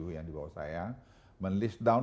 yang di bawah saya men list down